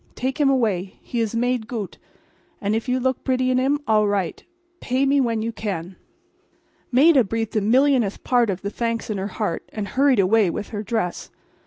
Take him away. He is made goot; and if you look bretty in him all right. So. Pay me when you can." Maida breathed a millionth part of the thanks in her heart, and hurried away with her dress.